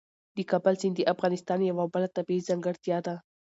د کابل سیند د افغانستان یوه بله طبیعي ځانګړتیا ده.